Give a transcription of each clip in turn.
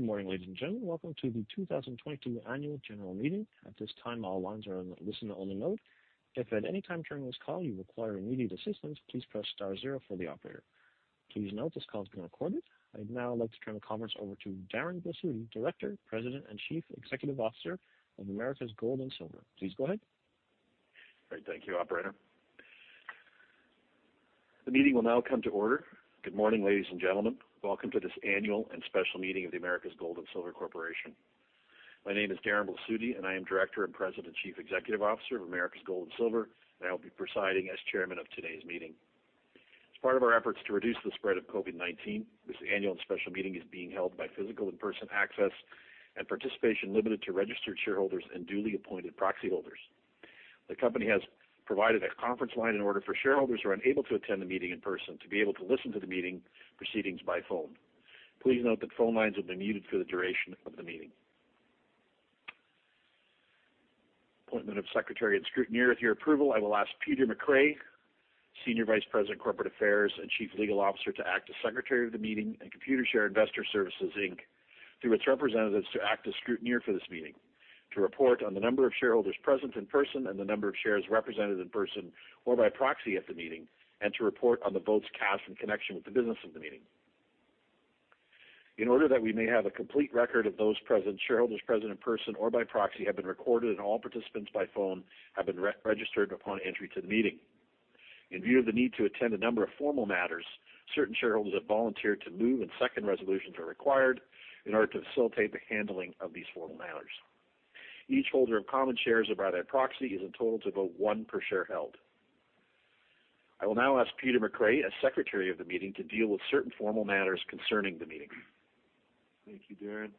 Good morning, ladies and gentlemen. Welcome to the 2022 annual general meeting. At this time, all lines are in listen only mode. If at any time during this call you require immediate assistance, please press star zero for the operator. Please note this call is being recorded. I'd now like to turn the conference over to Darren Bisutti, Director, President, and Chief Executive Officer of Americas Gold and Silver. Please go ahead. Great. Thank you, operator. The meeting will now come to order. Good morning, ladies and gentlemen. Welcome to this annual and special meeting of the Americas Gold and Silver Corporation. My name is Darren Bisutti, and I am Director and President, Chief Executive Officer of Americas Gold and Silver, and I will be presiding as chairman of today's meeting. As part of our efforts to reduce the spread of COVID-19, this annual and special meeting is being held by physical in-person access and participation limited to registered shareholders and duly appointed proxy holders. The company has provided a conference line in order for shareholders who are unable to attend the meeting in person to be able to listen to the meeting proceedings by phone. Please note that phone lines will be muted for the duration of the meeting. Appointment of Secretary and Scrutineer. With your approval, I will ask Peter McRae, Senior Vice President, Corporate Affairs, and Chief Legal Officer, to act as Secretary of the meeting and Computershare Investor Services Inc., through its representatives to act as Scrutineer for this meeting to report on the number of shareholders present in person and the number of shares represented in person or by proxy at the meeting, and to report on the votes cast in connection with the business of the meeting. In order that we may have a complete record, those present shareholders in person or by proxy have been recorded and all participants by phone have been re-registered upon entry to the meeting. In view of the need to attend a number of formal matters, certain shareholders have volunteered to move, and second resolutions are required in order to facilitate the handling of these formal matters. Each holder of common shares or by proxy is entitled to vote one per share held. I will now ask Peter McRae, as Secretary of the meeting, to deal with certain formal matters concerning the meeting. Thank you, Darren.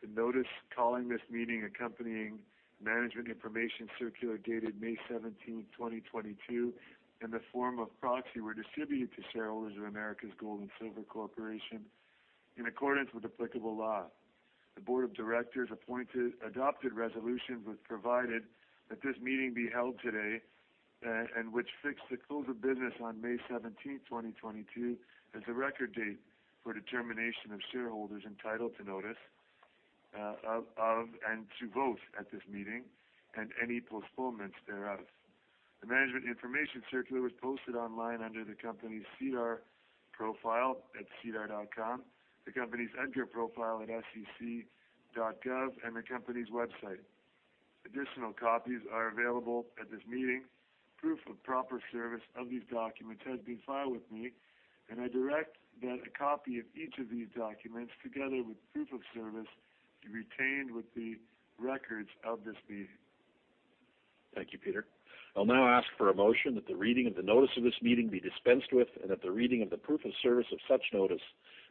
The notice calling this meeting, accompanying management information circular dated May 17th, 2022, and the form of proxy were distributed to shareholders of Americas Gold and Silver Corporation in accordance with applicable law. The board of directors adopted resolutions, which provided that this meeting be held today, and which fixed the close of business on May 17th, 2022, as a record date for determination of shareholders entitled to notice of and to vote at this meeting and any postponements thereof. The management information circular was posted online under the company's SEDAR profile at SEDAR, the company's EDGAR profile at SEC, and the company's website. Additional copies are available at this meeting. Proof of proper service of these documents has been filed with me, and I direct that a copy of each of these documents, together with proof of service, be retained with the records of this meeting. Thank you, Peter. I'll now ask for a motion that the reading of the notice of this meeting be dispensed with and that the reading of the proof of service of such notice,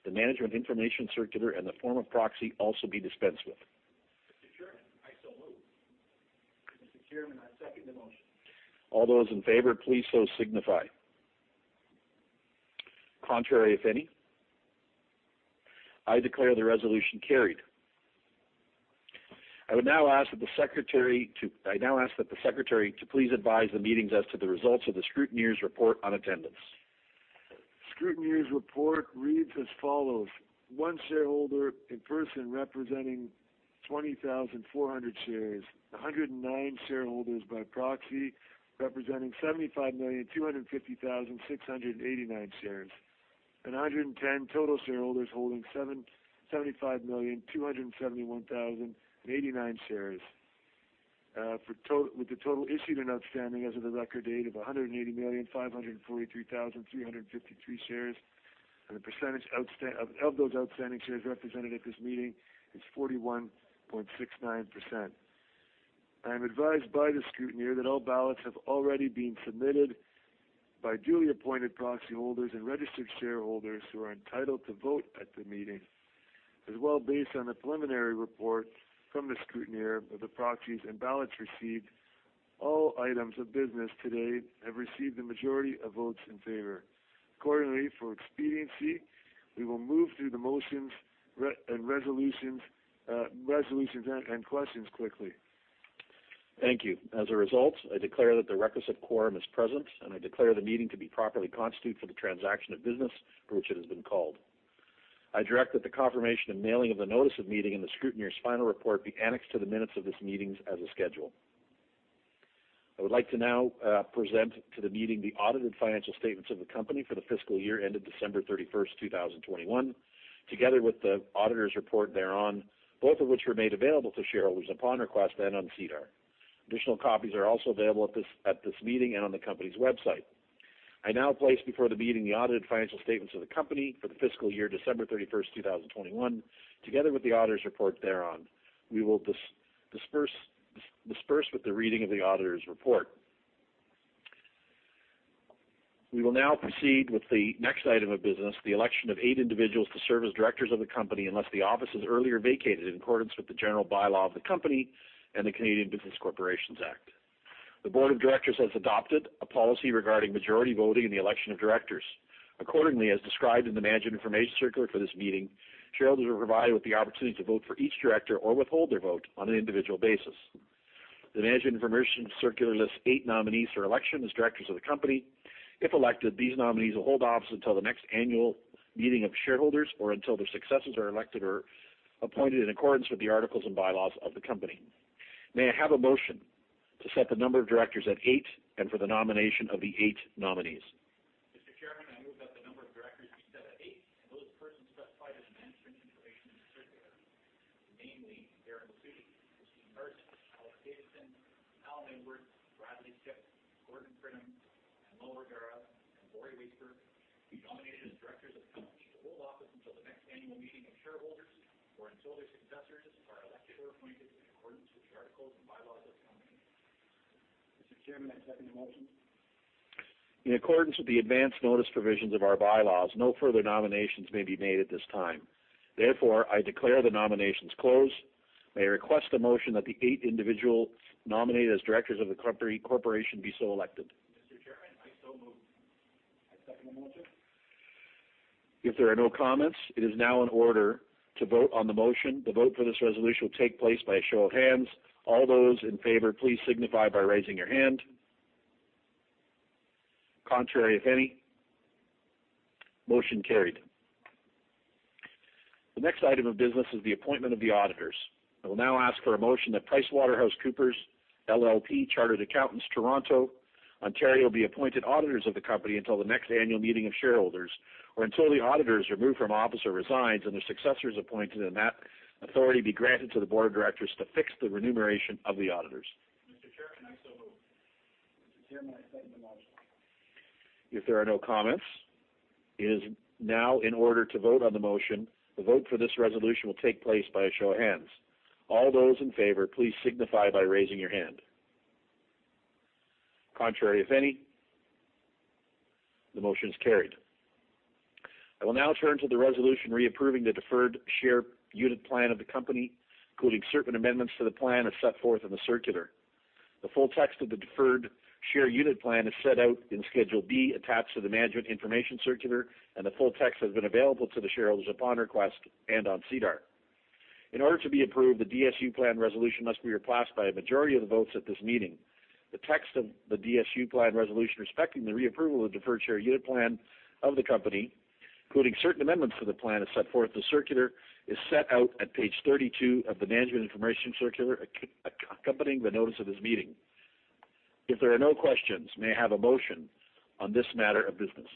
the management information circular and the form of proxy also be dispensed with. Mr. Chairman, I so move. Mr. Chairman, I second the motion. All those in favor, please so signify. Contrary, if any? I declare the resolution carried. I now ask that the Secretary to please advise the meetings as to the results of the scrutineer's report on attendance. Scrutineer's report reads as follows. One shareholder in person representing 20,400 shares, 109 shareholders by proxy representing 75,250,689 shares. 110 total shareholders holding 75,271,089 shares. With the total issued and outstanding as of the record date of 180,543,353 shares, and the percentage of those outstanding shares represented at this meeting is 41.69%. I am advised by the scrutineer that all ballots have already been submitted by duly appointed proxy holders and registered shareholders who are entitled to vote at the meeting. As well, based on the preliminary report from the scrutineer of the proxies and ballots received, all items of business today have received the majority of votes in favor. Accordingly, for expediency, we will move through the motions and resolutions and questions quickly. Thank you. As a result, I declare that the requisite quorum is present, and I declare the meeting to be properly constituted for the transaction of business for which it has been called. I direct that the confirmation and mailing of the notice of meeting and the scrutineer's final report be annexed to the minutes of this meeting as a schedule. I would like to now present to the meeting the audited financial statements of the company for the fiscal year ended December 31st, 2021, together with the auditor's report thereon, both of which were made available to shareholders upon request and on SEDAR. Additional copies are also available at this meeting and on the company's website. I now place before the meeting the audited financial statements of the company for the fiscal year December 31st, 2021, together with the auditor's report thereon. We will dispense with the reading of the auditor's report. We will now proceed with the next item of business, the election of eight individuals to serve as directors of the company unless the office is earlier vacated in accordance with the general bylaw of the company and the Canada Business Corporations Act. The board of directors has adopted a policy regarding majority voting in the election of directors. Accordingly, as described in the Management Information Circular for this meeting, shareholders are provided with the opportunity to vote for each director or withhold their vote on an individual basis. The Management Information Circular lists eight nominees for election as directors of the company. If elected, these nominees will hold office until the next annual meeting of shareholders, or until their successors are elected or appointed in accordance with the articles and bylaws of the company. May I have a motion to set the number of directors at eight and for the nomination of the eight nominees? Mr. Chairman, I move that the number of directors be set at eight, and those persons specified in the Management Information Circular, namely Darren Bisutti, Christine Mertz, Alex Davidson, Alan Edwards, Bradley Kipp, Gordon Pridham, Milo O'Mara, and Lorie Waisberg, be nominated as directors of the company to hold office until the next annual meeting of shareholders, or until their successors are elected or appointed in accordance with the articles and bylaws of the company. Mr. Chairman, I second the motion. In accordance with the advance notice provisions of our bylaws, no further nominations may be made at this time. Therefore, I declare the nominations closed. May I request a motion that the eight individual nominated as directors of the corporation be so elected. Mr. Chairman, I so move. I second the motion. If there are no comments, it is now in order to vote on the motion. The vote for this resolution will take place by a show of hands. All those in favor, please signify by raising your hand. Contrary, if any. Motion carried. The next item of business is the appointment of the auditors. I will now ask for a motion that PricewaterhouseCoopers LLP, Chartered Accountants, Toronto, Ontario, be appointed auditors of the company until the next annual meeting of shareholders, or until the auditors are removed from office or resigns and their successors appointed, and that authority be granted to the board of directors to fix the remuneration of the auditors. Mr. Chairman, I so move. Mr. Chairman, I second the motion. If there are no comments, it is now in order to vote on the motion. The vote for this resolution will take place by a show of hands. All those in favor, please signify by raising your hand. Contrary, if any. The motion is carried. I will now turn to the resolution reapproving the deferred share unit plan of the company, including certain amendments to the plan as set forth in the circular. The full text of the deferred share unit plan is set out in Schedule B, attached to the Management Information Circular, and the full text has been available to the shareholders upon request and on SEDAR. In order to be approved, the DSU plan resolution must be approved by a majority of the votes at this meeting. The text of the DSU plan resolution respecting the reapproval of deferred share unit plan of the company, including certain amendments to the plan as set forth. The circular is set out at page 32 of the Management Information Circular accompanying the notice of this meeting. If there are no questions, may I have a motion on this matter of business.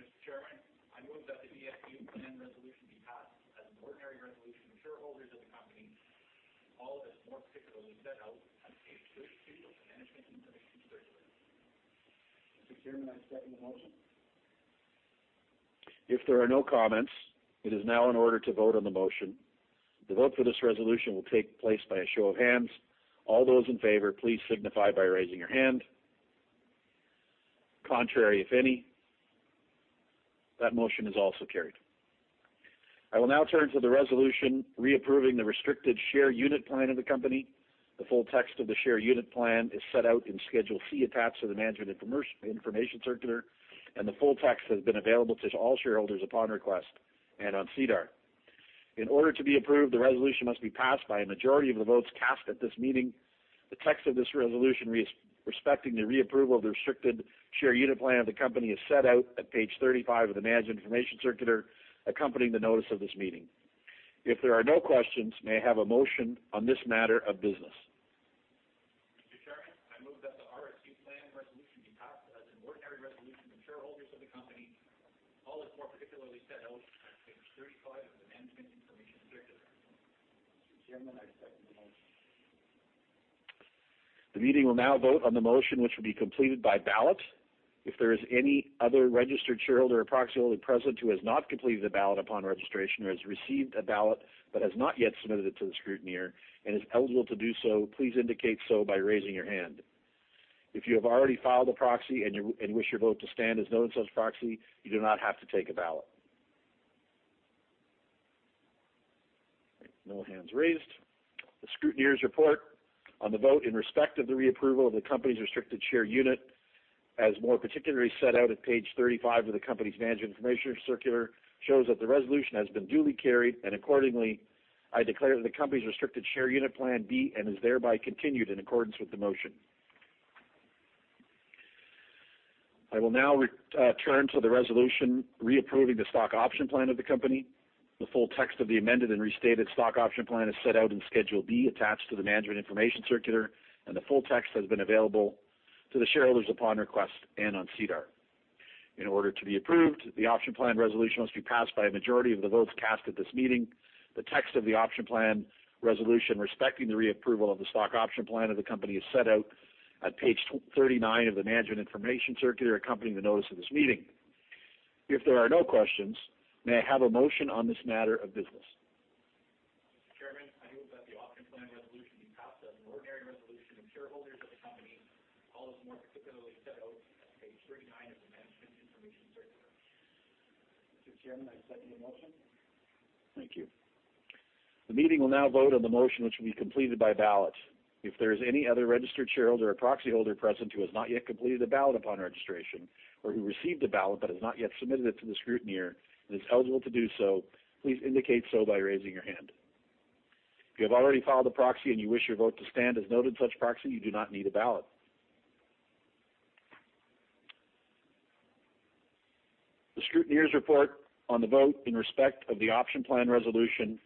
Mr. Chairman, I move that the DSU plan resolution be passed as an ordinary resolution of shareholders of the company, as more particularly set out on page 32 of the Management Information Circular. Mr. Chairman, I second the motion. If there are no comments, it is now in order to vote on the motion. The vote for this resolution will take place by a show of hands. All those in favor, please signify by raising your hand. Contrary, if any. That motion is also carried. I will now turn to the resolution reapproving the restricted share unit plan of the company. The full text of the share unit plan is set out in Schedule C, attached to the Management Information Circular, and the full text has been available to all shareholders upon request and on SEDAR. In order to be approved, the resolution must be passed by a majority of the votes cast at this meeting. The text of this resolution respecting the reapproval of the restricted share unit plan of the company is set out at page 35 of the Management Information Circular accompanying the notice of this meeting. If there are no questions, may I have a motion on this matter of business? Mr. Chairman, I move that the RSU plan resolution be passed as an ordinary resolution of shareholders of the company, all as more particularly set out on page 35 of the Management Information Circular. Mr. Chairman, I second the motion. The meeting will now vote on the motion, which will be completed by ballot. If there is any other registered shareholder or proxyholder present who has not completed the ballot upon registration or has received a ballot but has not yet submitted it to the scrutineer and is eligible to do so, please indicate so by raising your hand. If you have already filed a proxy and wish your vote to stand as noted in such proxy, you do not have to take a ballot. No hands raised. The scrutineers' report on the vote in respect of the reapproval of the company's restricted share unit as more particularly set out at page 35 of the company's Management Information Circular shows that the resolution has been duly carried, and accordingly, I declare that the company's restricted share unit plan be and is thereby continued in accordance with the motion. I will now turn to the resolution reapproving the stock option plan of the company. The full text of the amended and restated stock option plan is set out in Schedule D, attached to the Management Information Circular, and the full text has been available to the shareholders upon request and on SEDAR. In order to be approved, the option plan resolution must be passed by a majority of the votes cast at this meeting. The text of the option plan resolution respecting the reapproval of the stock option plan of the company is set out at page 39 of the Management Information Circular accompanying the notice of this meeting. If there are no questions, may I have a motion on this matter of business. Mr. Chairman, I move that the option plan resolution be passed as an ordinary resolution of shareholders of the company, all as more particularly set out at page 39 of the Management Information Circular. Mr. Chairman, I second the motion. Thank you. The meeting will now vote on the motion, which will be completed by ballot. If there is any other registered shareholder or proxyholder present who has not yet completed a ballot upon registration or who received a ballot but has not yet submitted it to the scrutineer and is eligible to do so, please indicate so by raising your hand. If you have already filed a proxy and you wish your vote to stand as noted in such proxy, you do not need a ballot. The scrutineers' report on the vote in respect of the option plan resolution,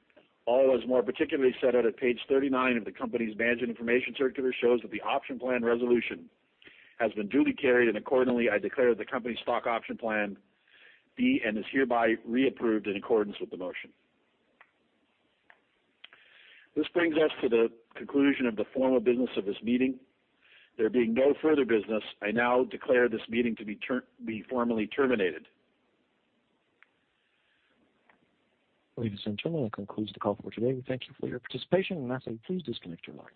all as more particularly set out at page 39 of the company's Management Information Circular, shows that the option plan resolution has been duly carried, and accordingly, I declare the company's stock option plan be and is hereby reapproved in accordance with the motion. This brings us to the conclusion of the formal business of this meeting. There being no further business, I now declare this meeting to be formally terminated. Ladies and gentlemen, that concludes the call for today. We thank you for your participation, and I say please disconnect your line.